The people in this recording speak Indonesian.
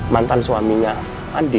mantan suaminya andin